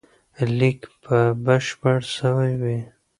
لیک به بشپړ سوی وي.